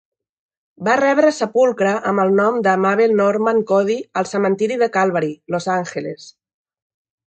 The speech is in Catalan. Va rebre sepulcre amb el nom de Mabel Normand-Cody al cementiri de Calvary, Los Angeles.